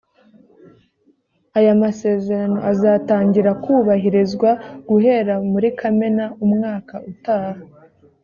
aya masezerano azatangira kubahirizwa guhera muri kamena umwaka utaha